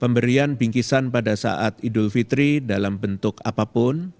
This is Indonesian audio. pemberian bingkisan pada saat idul fitri dalam bentuk apapun